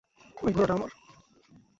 ওই ঘোড়াটা আমার!